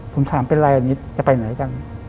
ผมถามเป็นไรอันนี้จะไปไหนกัน